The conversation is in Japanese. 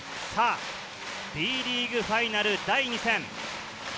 Ｂリーグファイナル、第２戦。